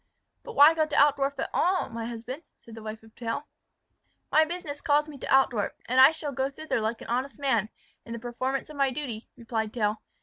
"But why go to Altdorf at all, my husband?" said the wife to Tell. "My business calls me to Altdorf, and I shall go thither like an honest man, in the performance of my duty," replied Tell.